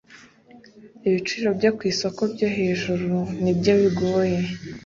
ibiciro byo ku isoko byo hejuru n ibyo bigoye.